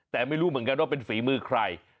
แต่ไม่รู้เหมือนกันว่าเป็นฝีมือใคร